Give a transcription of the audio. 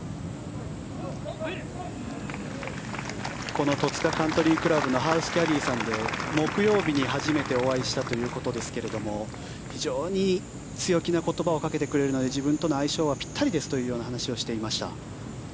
この戸塚カントリー倶楽部のハウスキャディーさんで木曜日に初めてお会いしたということですが非常に強気な言葉をかけてくれるので自分との相性はぴったりですと話していました。